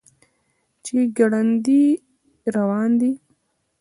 چې ګړندی روان دی.